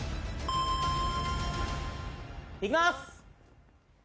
いきます！